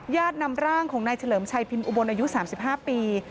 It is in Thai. ญาตินำร่างของนายเฉลิมชัยพิมอุบลอายุ๓๕ปี